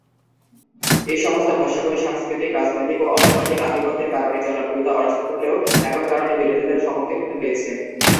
এই সমস্ত ভাষাগুলি সাংস্কৃতিক, রাজনৈতিক ও অর্থনৈতিক আধিপত্যের কারণে জনপ্রিয়তা অর্জন করলেও একই কারণে বিরোধিতার সম্মুখিন হতে হয়েছে।